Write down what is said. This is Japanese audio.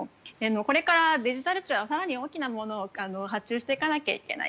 これから、デジタル庁が更に大きなものを発注していかなきゃいけない。